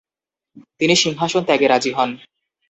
তিনি সিংহাসন ত্যাগে রাজি হন।